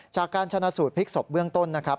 จากการชนะสูตรพลิกศพเบื้องต้นนะครับ